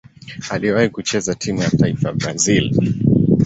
Aliwahi kucheza timu ya taifa ya Brazil.